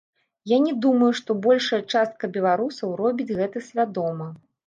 Я не думаю, што большая частка беларусаў робіць гэта свядома.